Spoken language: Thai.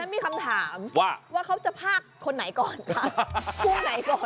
แต่ฉันมีคำถามว่าเขาจะภากคนไหนก่อนค่ะคู่ไหนก่อนค่ะ